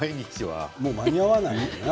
もう間に合わないよな。